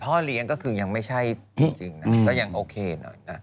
พ่อเลี้ยงก็คือยังไม่ใช่จริงนะก็ยังโอเคหน่อยนะ